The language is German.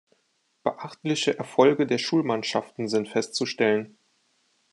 Beachtliche Erfolge der Schulmannschaften sind festzustellen.